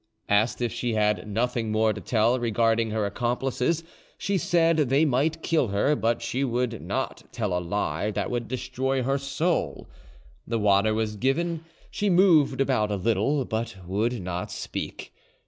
"Asked if she had nothing more to tell regarding her accomplices, she said they might kill her, but she would not tell a lie that would destroy her soul. "The water was given, she moved about a little, but would not speak.